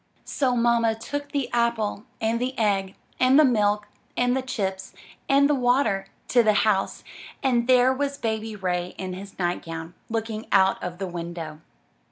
So mamma took the apple and the egg and the milk and the chips and the water to the house, and there was Baby Ray in his nightgown, looking out of the window.